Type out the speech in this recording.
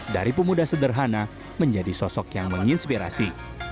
dari pemuda sederhana menjadi sosok yang menginspirasi